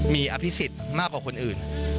มีอภิษฎมากกว่าคนอื่น